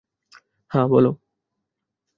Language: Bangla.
হ্যাঁ, বল?